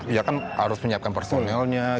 ya kan harus menyiapkan personelnya